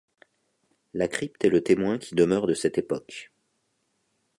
La crypte est le témoin qui demeure de cette époque.